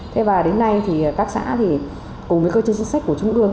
thế và đến nay thì các xã cùng với cơ chế chính sách của chung hương